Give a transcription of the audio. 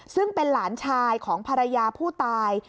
ซึ่งเป็นหลานชายของภรรยาผู้ตาย